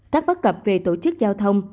các bác cập về tổ chức giao thông